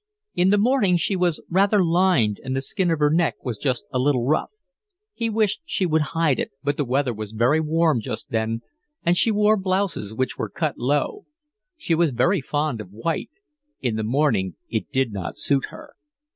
In the morning she was rather lined and the skin of her neck was just a little rough. He wished she would hide it, but the weather was very warm just then and she wore blouses which were cut low. She was very fond of white; in the morning it did not suit her.